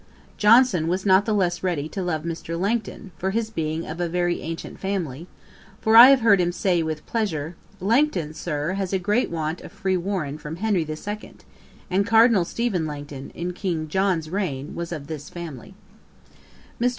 Johnson was not the less ready to love Mr. Langton, for his being of a very ancient family; for I have heard him say, with pleasure, 'Langton, Sir, has a grant of free warren from Henry the Second; and Cardinal Stephen Langton, in King John's reign, was of this family.' [Page 248: Topham Beauclerk. A.D. 1752.] Mr.